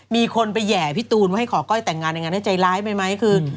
มีคนไปแห่พี่ตูนว่าให้ขอก้อยแต่งงานในงานให้ใจร้ายไปไหมคือ